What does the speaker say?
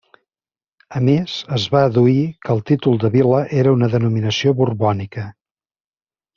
A més, es va adduir que el títol de Vila era una denominació borbònica.